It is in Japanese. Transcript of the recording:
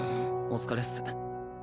お疲れっす。